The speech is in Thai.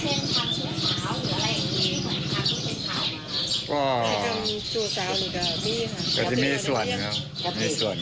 หลายครั้งหลายหนึ่งในทางที่ชาวบ้าน